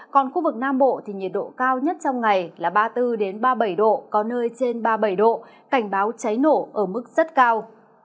còn khu vực nam bộ thì nhiệt độ cao nhất trong ngày là ba mươi bốn ba mươi bảy độ có nơi trên ba mươi bảy độ cảnh báo cháy nổ ở mức rất cao